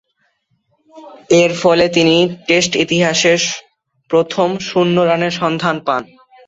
এরফলে তিনি টেস্ট ইতিহাসের প্রথম শূন্য রানের সন্ধান পান।